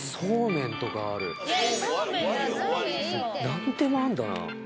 何でもあんだな。